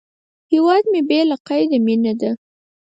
هیواد مې بې له قیده مینه ده